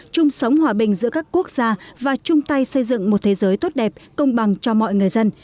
chung sống hòa bình giữa các quốc gia và chung tay xây dựng một thế giới tốt đẹp công bằng cho mọi người dân